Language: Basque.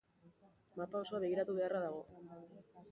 Mapa osoa begiratu beharra dago.